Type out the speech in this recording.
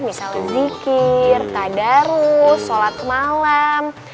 misalnya zikir tadarus sholat malam